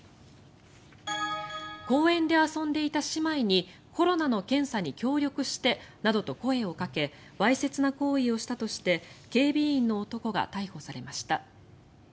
公園で遊んでいた姉妹にコロナの検査に協力してなどと声をかけわいせつな行為をしたとして警備員の男が逮捕されました。